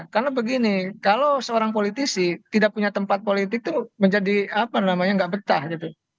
karena begini kalau seorang politisi tidak punya tempat politik itu menjadi apa namanya nggak betah gitu